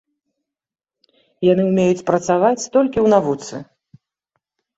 Яны умеюць працаваць толькі ў навуцы.